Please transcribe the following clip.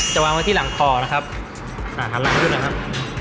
จะวางมาที่หลังคอนะครับน่ะถังหลังด้วยนะครับ